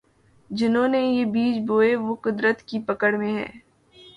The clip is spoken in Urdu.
جنہوں نے یہ بیج بوئے وہ قدرت کی پکڑ میں ہیں۔